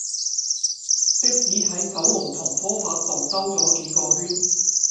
的士喺九龍塘科發道兜左幾個圈